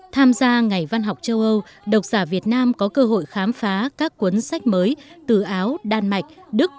tham gia ngày văn học châu âu độc giả việt nam có cơ hội khám phá các cuốn sách mới từ áo đan mạch đức